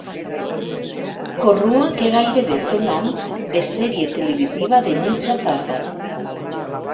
Corrua que gairebé té nom de sèrie televisiva de mitja tarda.